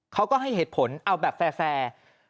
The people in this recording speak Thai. เขาก็ให้เหตุผลเอาแบบแฟร์